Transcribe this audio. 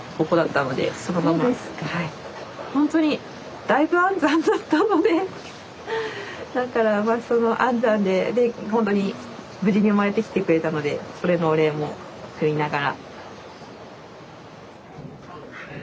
ほんとにだいぶ安産だったのでだから安産ででほんとに無事に生まれてきてくれたのでそれのお礼も言いながら。